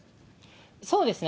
そうですね。